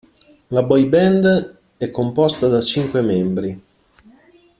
La boy band è composta da cinque membri.